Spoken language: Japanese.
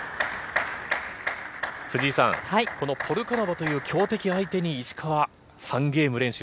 藤井さん、このポルカノバという強敵相手に石川、３ゲーム連取。